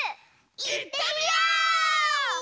いってみよう！